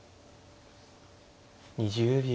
２０秒。